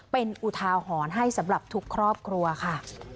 เป็นอุทาหรณ์ให้สำหรับทุกครอบครัวค่ะ